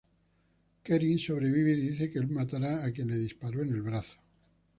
Kerim sobrevive y dice que el matará a quien le disparó en el brazo.